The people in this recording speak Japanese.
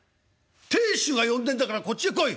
「亭主が呼んでんだからこっちへ来い！」。